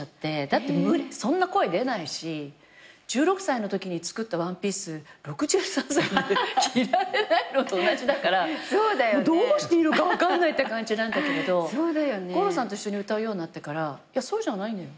だってそんな声出ないし１６歳のときに作ったワンピース６３歳なんて着られないのと同じだからもうどうしていいのか分かんないって感じなんだけど五郎さんと一緒に歌うようになってからいやそうじゃないのよ